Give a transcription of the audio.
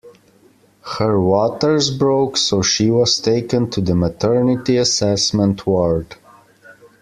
Her waters broke so she was taken to the maternity assessment ward.